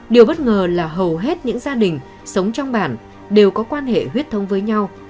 điều bất ngờ là hầu hết những gia đình sống trong bản đều có quan hệ huyết thông với nhau